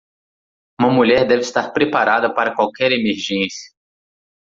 Uma mulher deve estar preparada para qualquer emergência.